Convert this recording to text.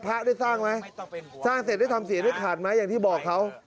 พระได้สร้างไหมสร้างเสร็จได้ทำเสียได้ขาดไหมอย่างที่บอกเขา